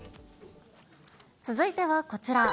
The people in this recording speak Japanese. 続いてはこちら。